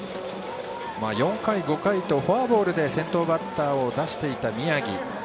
４回、５回とフォアボールで先頭バッターを出していた宮城。